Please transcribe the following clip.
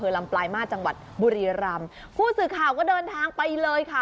ลำปลายมาสจังหวัดบุรีรำผู้สื่อข่าวก็เดินทางไปเลยค่ะ